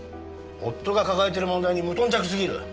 夫が抱えてる問題に無頓着すぎる！